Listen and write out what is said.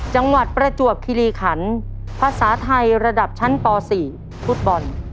ประจวบคิริขันภาษาไทยระดับชั้นป๔ฟุตบอล